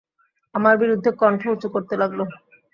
আমার বিরুদ্ধে কণ্ঠ উচু করতে লাগল।